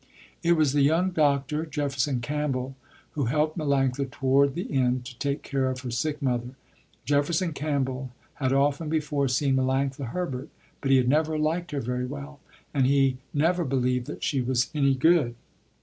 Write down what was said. It was the young doctor, Jefferson Campbell, who helped Melanctha toward the end, to take care of her sick mother. Jefferson Campbell had often before seen Melanctha Herbert, but he had never liked her very well, and he had never believed that she was any good.